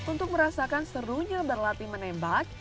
untuk merasakan serunya berlatih menembak